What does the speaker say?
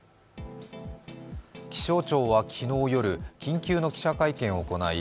気象庁は昨日夜、緊急の記者会見を行い